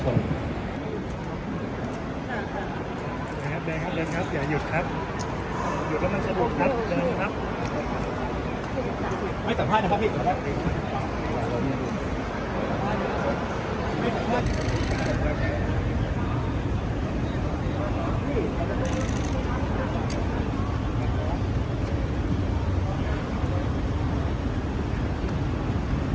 คุณอยู่ในโรงพยาบาลนะ